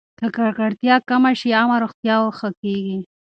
که ککړتیا کمه شي، عامه روغتیا ښه کېږي.